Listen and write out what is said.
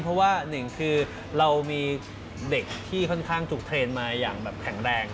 เพราะว่าหนึ่งคือเรามีเด็กที่ค่อนข้างถูกเทรนด์มาอย่างแบบแข็งแรง